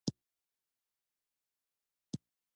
بالښت او کوربچه دواړه راوړه.